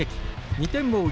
２点を追う